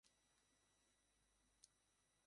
আমি ঠিক যেন একটা নূতন জীবন পেয়েছি, সে একটা নূতন চেতনা।